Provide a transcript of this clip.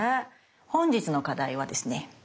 本日の課題はですね